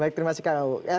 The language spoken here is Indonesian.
baik terima kasih kang abu